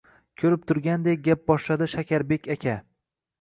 Ko`rib turgandek gap boshladi Shakarbek aka